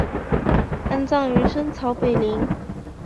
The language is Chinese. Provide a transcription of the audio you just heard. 安葬于深草北陵。